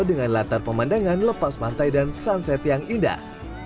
dengan latar pemandangan lepas pantai dan sunset yang indah